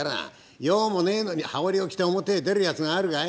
用もねえのに羽織を着て表へ出るやつがあるかい？